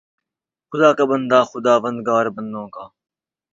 خدا کا بندہ، خداوندگار بندوں کا